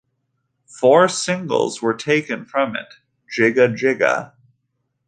Four singles were taken from it: Jigga Jigga!